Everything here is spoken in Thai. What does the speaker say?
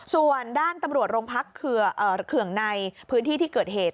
ส่วนด้านตำรวจโรงพักเคืองในพื้นที่ที่เกิดเหตุ